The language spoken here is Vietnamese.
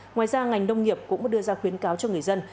ngoài ra ngành nông nghiệp cũng đưa ra khuyến cáo cho người dân